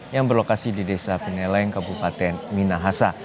yang berlokasi di desa peneleng kabupaten minahasa